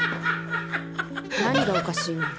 何がおかしいのよ？